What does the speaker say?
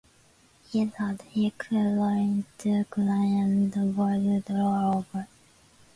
He thought he could roll into Ukraine and the world would roll over.